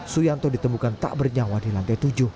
suyanto ditemukan tak bernyawa di lantai tujuh